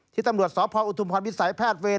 ที่ตํะหลวดศภาวอุทูมพรวิสัยแพทย์เวร